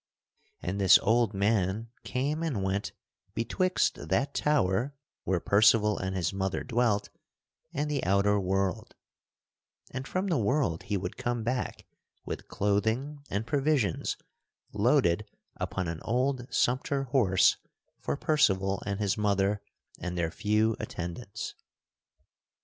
And this old man came and went betwixt that tower where Percival and his mother dwelt and the outer world, and from the world he would come back with clothing and provisions loaded upon an old sumpter horse for Percival and his mother and their few attendants.